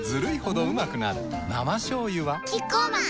生しょうゆはキッコーマン